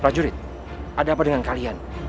prajurit ada apa dengan kalian